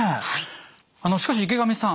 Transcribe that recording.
しかし池上さん